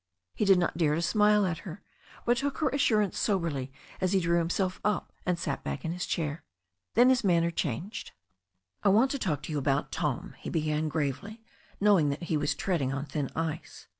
He did not dare to smile at her, but took her assurance soberly as he drew himself up and sat back in his chair. Then his manner changed 200 THE STORY OF A NEW ZEALAND RIVER "I want to talk to you about Tom," he began gravely, knowing that he was treading on thin ice.